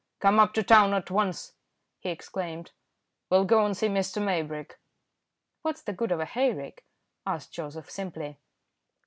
"Come up to town at once," he exclaimed; "we'll go and see Mr. Maybrick." "What's the good of a hayrick?" asked Joseph simply.